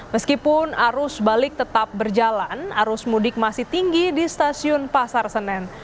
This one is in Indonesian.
meskipun arus balik tetap berjalan arus mudik masih tinggi di stasiun pasar senen